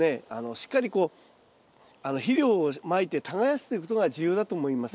しっかりこう肥料をまいて耕すということが重要だと思います。